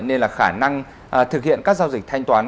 nên là khả năng thực hiện các giao dịch thanh toán